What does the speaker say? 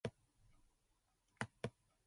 Often ungrammatical and unintelligible.